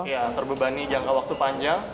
ya terbebani jangka waktu panjang